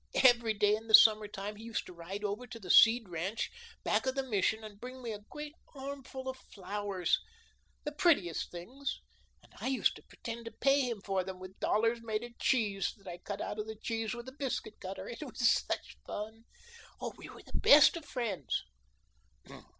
Every day in the summer time he used to ride over to the Seed ranch back of the Mission and bring me a great armful of flowers, the prettiest things, and I used to pretend to pay him for them with dollars made of cheese that I cut out of the cheese with a biscuit cutter. It was such fun. We were the best of friends."